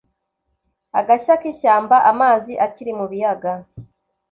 agashya k'ishyamba, amazi akiri mu biyaga